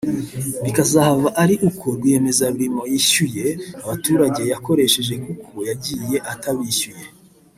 bikazahava ari uko rwiyemezamirimo yishyuye abaturage yakoreshaga kuko yagiye atabishyuye